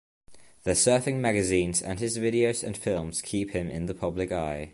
The surfing magazines and his videos and films keep him in the public eye.